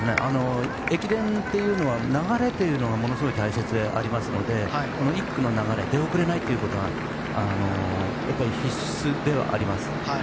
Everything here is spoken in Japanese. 駅伝というのは流れがものすごく大切ですのでこの１区の流れ出遅れないということが必須ではあります。